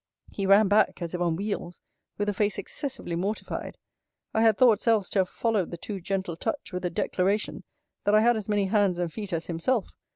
He ran back, as if on wheels; with a face excessively mortified: I had thoughts else to have followed the too gentle touch, with a declaration, that I had as many hands and feet as himself.